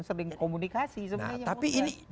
sering komunikasi sebenarnya